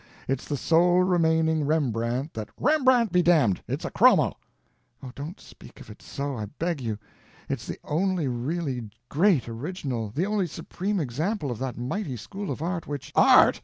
It's the sole remaining Rembrandt that—" "Rembrandt be damned, it's a chromo." "Oh, don't speak of it so, I beg you. It's the only really great original, the only supreme example of that mighty school of art which—" "Art!